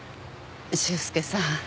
修介さん。